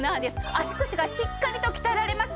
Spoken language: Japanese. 足腰がしっかりと鍛えられます。